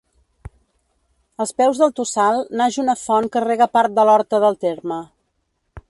Als peus del tossal naix una font que rega part de l'horta del terme.